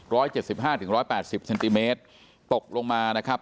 เจ็ดสิบห้าถึงร้อยแปดสิบเซนติเมตรตกลงมานะครับ